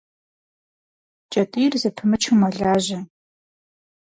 Кӏэтӏийр зэпымычу мэлажьэ.